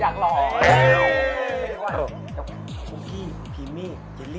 หล่อหรอหลียังหล่อ